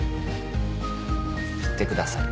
振ってください。